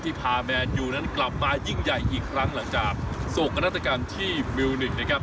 พาแมนยูนั้นกลับมายิ่งใหญ่อีกครั้งหลังจากโศกนาฏกรรมที่มิวนิกนะครับ